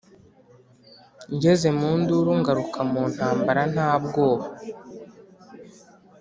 ngeze mu nduru ngaruka mu ntambara nta bwoba.